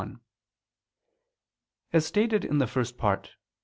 1: As stated in the First Part (Q.